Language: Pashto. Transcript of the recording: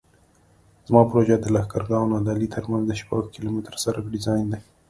زما پروژه د لښکرګاه او نادعلي ترمنځ د شپږ کیلومتره سرک ډیزاین دی